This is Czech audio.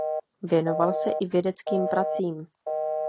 Věnoval se i vědeckým pracím.